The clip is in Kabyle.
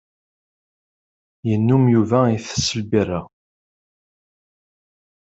Yennum Yuba itess lbirra.